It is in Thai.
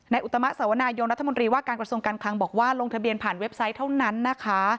อุตมะสวนายนรัฐมนตรีว่าการกระทรวงการคลังบอกว่าลงทะเบียนผ่านเว็บไซต์เท่านั้นนะคะ